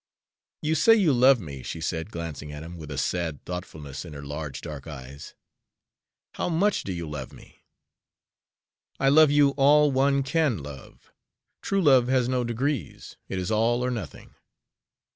"You say you love me," she said, glancing at him with a sad thoughtfulness in her large dark eyes. "How much do you love me?" "I love you all one can love. True love has no degrees; it is all or nothing!"